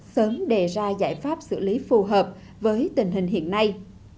sớm đề ra giải pháp xử lý phù hợp với tình hình hiện nay